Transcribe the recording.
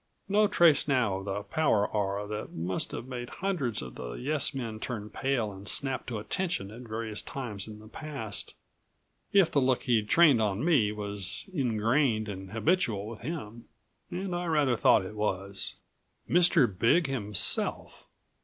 No trace now of the power aura that must have made hundreds of his yes men turn pale and snap to attention at various times in the past, if the look he'd trained on me was ingrained and habitual with him. And I rather thought it was. Mr. Big himself!